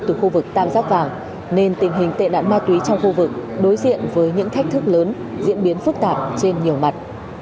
từ khu vực tam giác vàng nên tình hình tệ nạn ma túy trong khu vực đối diện với những thách thức lớn diễn biến phức tạp trên nhiều mặt